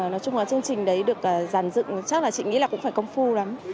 nói chung là chương trình đấy được giàn dựng chắc là chị nghĩ là cũng phải công phu lắm